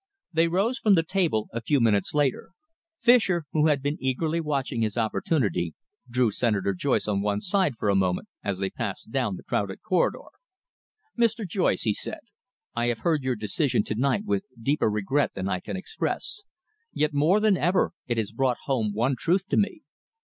They rose from the table a few minutes later. Fischer, who had been eagerly watching his opportunity, drew Senator Joyce on one side for a moment as they passed down the crowded corridor. "Mr. Joyce," he said, "I have heard your decision to night with deeper regret than I can express, yet more than ever it has brought home one truth to me.